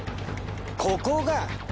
ここが。